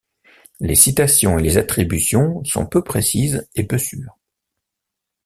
Les citations et les attributions sont peu précises et peu sûres.